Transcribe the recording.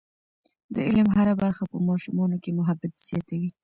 د علم هره برخه په ماشومانو کې محبت زیاتوي.